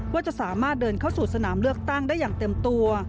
ว่าจะสามารถเดินเข้าสู่สนามเลือกตั้งได้อย่างเต็มตัว